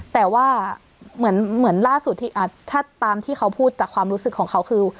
แต่ว่าเหมือนล่าสุดที่ถ้าตามที่เขาพูดจากความรู้สึกของเขาคือ